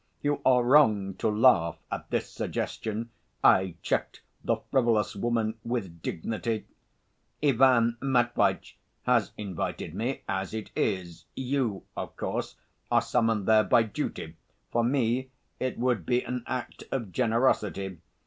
"You are wrong to laugh at this suggestion" I checked the frivolous woman with dignity "Ivan Matveitch has invited me as it is. You, of course, are summoned there by duty; for me, it would be an act of generosity.